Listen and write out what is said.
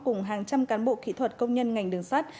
cùng hàng trăm cán bộ kỹ thuật công nhân ngành đường sắt